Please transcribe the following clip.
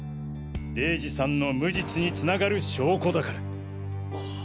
玲二さんの無実に繋がる証拠だから。